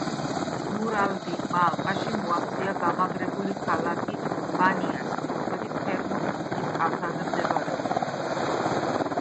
ნურ ალ-დინმა ალყაში მოაქცია გამაგრებული ქალაქი ბანიასი, რომელიც ჰერმონის მთის კალთაზე მდებარეობდა.